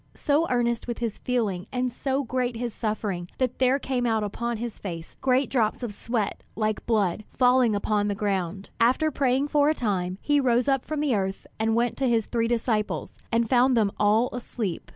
So earnest was his feeling and so great his suffering that there came out upon his face great drops of sweat like blood, falling upon the ground. After praying for a time, he rose up from the earth and went to his three disciples, and found them all asleep.